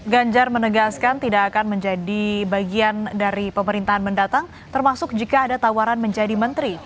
ganjar menegaskan tidak akan menjadi bagian dari pemerintahan mendatang termasuk jika ada tawaran menjadi menteri